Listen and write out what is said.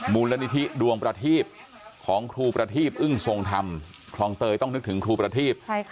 มูลนิธิดวงประทีบของครูประทีพอึ้งทรงธรรมคลองเตยต้องนึกถึงครูประทีบ